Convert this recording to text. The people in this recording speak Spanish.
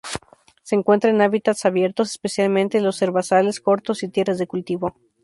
Se encuentra en hábitats abiertos, especialmente en los herbazales cortos y tierras de cultivo.